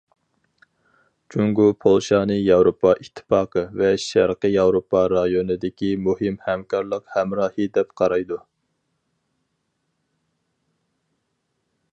جۇڭگو پولشانى ياۋروپا ئىتتىپاقى ۋە شەرقىي ياۋروپا رايونىدىكى مۇھىم ھەمكارلىق ھەمراھى دەپ قارايدۇ.